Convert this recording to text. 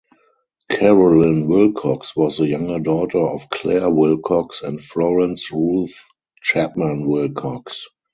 Carolyn Wilcox was the younger daughter of Clair Wilcox and Florence Ruth Chapman Wilcox.